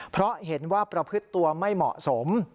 เพราะเห็นว่าประพฤติตัวไม่เหมาะสม